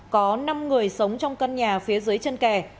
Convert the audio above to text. có năm người sống trong căn nhà phía dưới chân kè